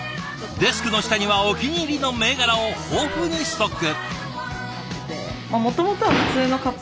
デスクの下にはお気に入りの銘柄を豊富にストック。